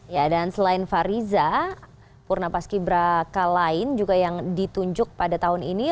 ya dan selain fariza purna paski braka lain juga yang ditunjuk pada tahun ini